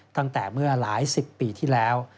ตั้งแต่เมื่อหลายสิบปีที่แล้ว